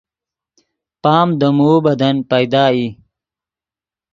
پام دے موؤ بدن پیدا ای